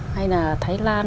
hay là thái lan